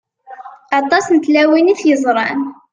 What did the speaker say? Aṭas n tlawin i t-yeẓṛan.